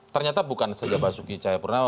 ternyata bukan saja pak suki cahayapurnama